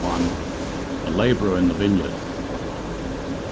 A LABOURER IN THE VINEYARD.